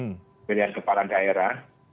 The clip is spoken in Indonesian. menyerempakkan pilihan kepala daerah